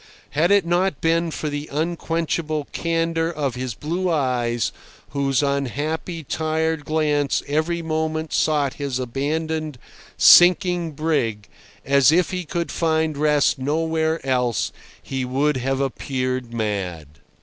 Had it not been for the unquenchable candour of his blue eyes, whose unhappy, tired glance every moment sought his abandoned, sinking brig, as if it could find rest nowhere else, he would have appeared mad.